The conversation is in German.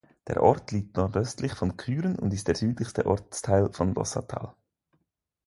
Der Ort liegt nordöstlich von Kühren und ist der südlichste Ortsteil von Lossatal.